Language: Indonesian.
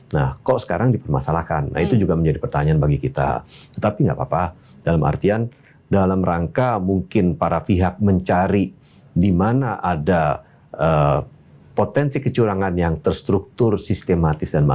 nah kok sekarang dipermasalahkan nah itu juga menjadi pertanyaan bagi kita tetapi nggak apa apa dalam artian dalam rangka mungkin para pihak mencari di mana ada potensi kecurangan yang terstruktur sistematis